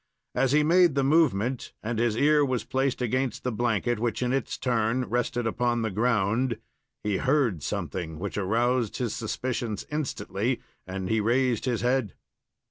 As he made the movement and his ear was placed against the blanket, which in its turn rested upon the ground, he heard something which aroused his suspicions instantly and he raised his head.